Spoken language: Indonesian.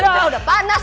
aduh udah panas